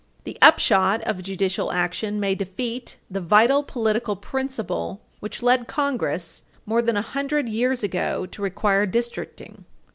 The upshot of judicial action may defeat the vital political principle which led Congress, more than a hundred years ago, to require districting.